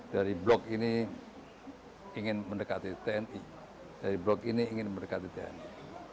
dari blok ini ingin mendekati tni dari blok ini ingin mendekati tni